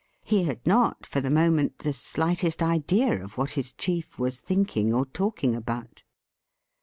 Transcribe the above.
He had not for the moment the slightest idea of what his chief was thinking or talking about.